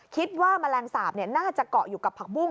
คิดว่าแมลงสาปเนี่ยน่าจะเกาะอยู่กับผักบุ้ง